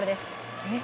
え？